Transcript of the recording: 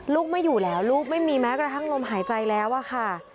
ไม่อยู่แล้วลูกไม่มีแม้กระทั่งลมหายใจแล้วอะค่ะ